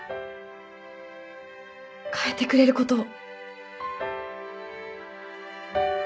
変えてくれることを。